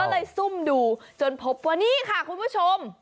ก็เลยซุ่มดูจนพบว่านี่ค่ะคุณผู้ชม